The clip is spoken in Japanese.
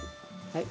はい。